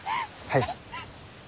はい。